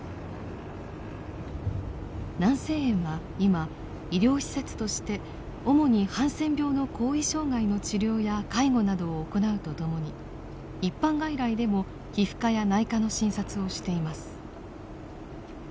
南静園は今医療施設として主にハンセン病の後遺障害の治療や介護などを行うとともに一般外来でも皮膚科や内科の診察をしています。